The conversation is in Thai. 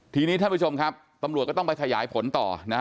ทีนี้ท่านผู้ชมครับตำรวจก็ต้องไปขยายผลต่อนะฮะ